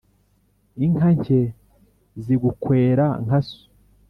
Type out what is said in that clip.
Inka nke zigukwera nka so.